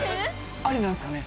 アリなんすかね？